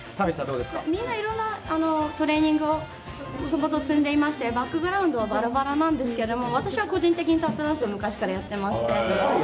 みんないろんなトレーニングを積んでいましてバックグラウンドはバラバラなんですけど私は個人的にタップダンスを昔からやってまして。